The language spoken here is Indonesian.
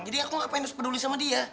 jadi aku gak pengen terus peduli sama dia